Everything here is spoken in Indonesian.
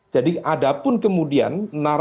jadi adapun kemudian